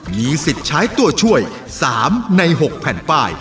มีสิทธิ์ใช้ตัวช่วย๓ใน๖แผ่นป้าย